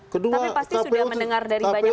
tapi pasti sudah mendengar dari banyak